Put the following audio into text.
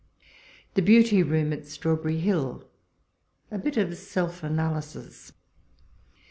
THE ''BKAl'TY liOOM" AT STRAWBERRY HILL— A BIT or SELF ANALYSIS.